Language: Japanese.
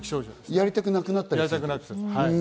やりたくなくなったりします。